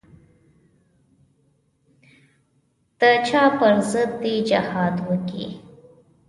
د چا پر ضد دې جهاد وکي.